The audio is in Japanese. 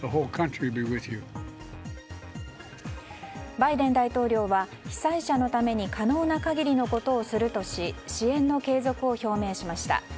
バイデン大統領は被災者のために可能な限りのことをするとし支援の継続を表明しました。